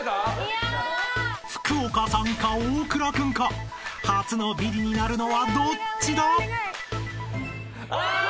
［福岡さんか大倉君か初のビリになるのはどっちだ？］